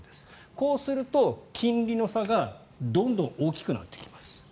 こうすると金利の差がどんどん大きくなってきます。